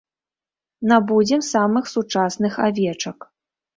Набудзем самых сучасных авечак.